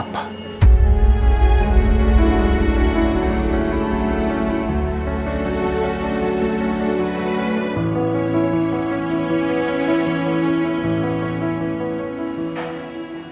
kenapa kamu menyembunyikan perasaan kamu